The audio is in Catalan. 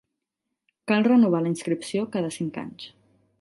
Cal renovar la inscripció cada cinc anys.